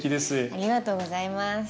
ありがとうございます。